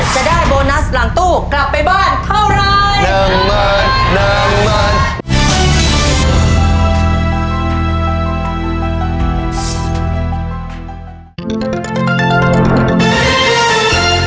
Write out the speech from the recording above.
จะได้โบนัสหลังตู้กลับไปบ้านเท่าไร